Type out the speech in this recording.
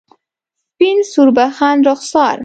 سپین سوربخن رخسار